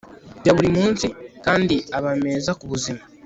ya buri munsi kandi aba meza ku buzima